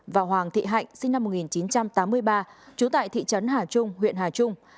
và hoàng thị hạnh sinh năm một nghìn chín trăm tám mươi ba trú tại thị trấn hà trung huyện hà trung